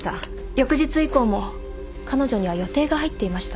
翌日以降も彼女には予定が入っていました。